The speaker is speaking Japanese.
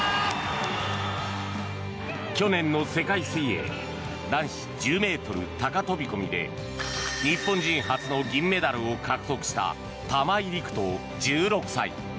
去年の世界水泳男子１０ｍ高飛込で日本人初の銀メダルを獲得した玉井陸斗、１６歳。